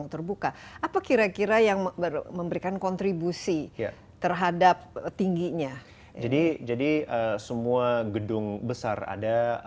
terbuka apa kira kira yang memberikan kontribusi terhadap tingginya jadi jadi semua gedung besar ada